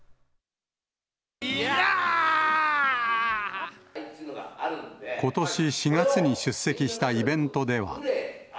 ヤー！ことし４月に出席したイベントでは。